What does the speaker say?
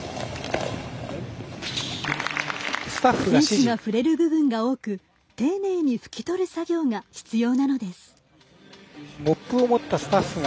選手が触れる部分が多く丁寧に拭き取る作業が必要なのです。